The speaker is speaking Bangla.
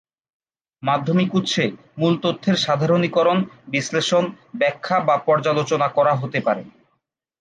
মাধ্যমিক উৎসে মূল তথ্যের সাধারণীকরণ, বিশ্লেষণ, ব্যাখ্যা বা পর্যালোচনা করা হতে পারে।